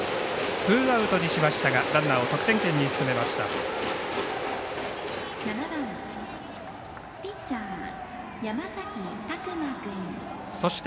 ツーアウトにしましたがランナーを得点圏に進めました。